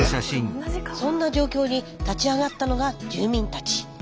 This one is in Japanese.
そんな状況に立ち上がったのが住民たち。